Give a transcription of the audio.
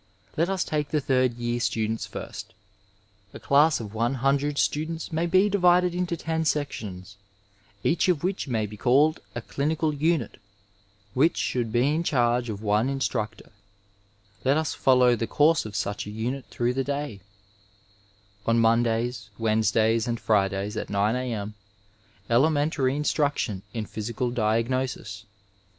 Let us take the third year students first. A class of 100 students maybe divided into ten sections, eachof which maybe called a clinical unit, which should be in charge of one instructor.; Let us follow the course of such a unit through the day. Digitized by Google THE HOSPITAL AS A COLLEGE On Mondays, Wednesdays, and Eridays at 9 a.m. element ary instraction in physical diagnosis.